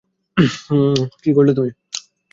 কী করলে তুমি?